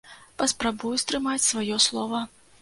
Паспрабую стрымаць сваё слова.